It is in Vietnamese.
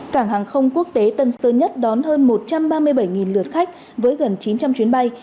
cảng hàng không quốc tế tân sơn nhất đón hơn một trăm ba mươi bảy lượt khách với gần chín trăm linh chuyến bay